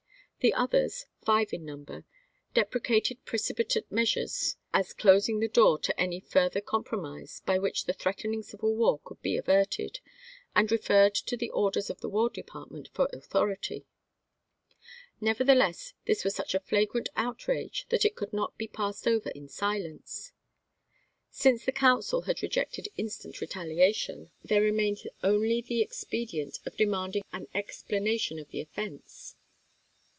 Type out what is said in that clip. The others, five in number, deprecated precipitate measures as clos ing the door to any further compromise by which porttotiuj the threatening civil war could be averted, and oii't'hecon referred to the orders of the War Department for duct of the .,..„ war. authority." Nevertheless, this was such a flagrant outrage, that it could not be passed over in silence. Since the council had rejected instant retaliation, there remained only the expedient of demanding an explanation of the offense.